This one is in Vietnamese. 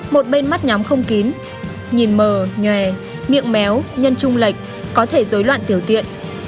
một bên mắt nhóm không kín nhìn mờ nhòe miệng méo nhân trung lệch có thể dối loạn tiểu tiện